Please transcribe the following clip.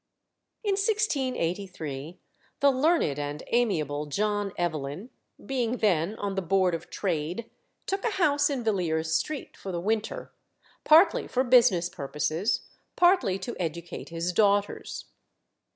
In 1683 the learned and amiable John Evelyn, being then on the Board of Trade, took a house in Villiers Street for the winter, partly for business purposes, partly to educate his daughters.